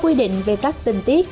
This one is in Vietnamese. xác định về các tình tiết